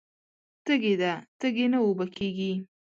تږې ده تږې نه اوبه کیږي